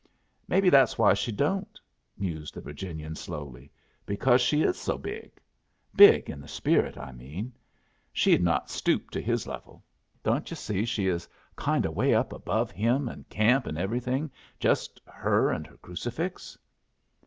"Maybe that's why she don't," mused the Virginian, slowly; "because she is so big. Big in the spirit, I mean. She'd not stoop to his level. Don't yu' see she is kind o' way up above him and camp and everything just her and her crucifix?"